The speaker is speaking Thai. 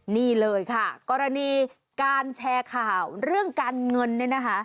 นี่เลยค่ะกรณีการแชร์ข่าวเรื่องการเงิน